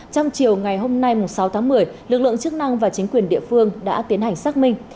trong chiều ngày hôm nay sáu tháng một mươi lực lượng chức năng và chính quyền địa phương đã tiến hành xác minh